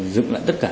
dựng lại tất cả